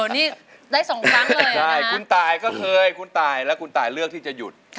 นี่ได้สองครั้งเลยใช่คุณตายก็เคยคุณตายและคุณตายเลือกที่จะหยุด